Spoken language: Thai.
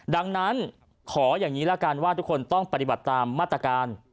ดังนั้นขออย่างนี้ละกันว่าทุกคนต้องปฏิบัติตามมาตรการ